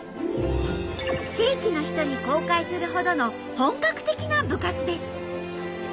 地域の人に公開するほどの本格的な部活です。